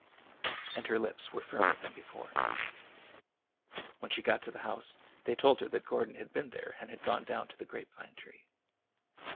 And her lips were firmer than before. When she got to the house, they told her that Gordon had been there and had gone down to the grape vine tree.